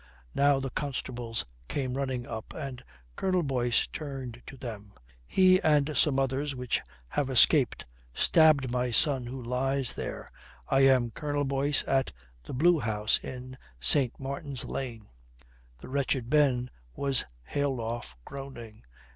Now the constables came running up and Colonel Boyce turned to them: "Secure that fellow. He and some others which have escaped stabbed my son who lies there. I am Colonel Boyce at the Blue House in St. Martin's Lane." The wretched Ben was haled off, groaning.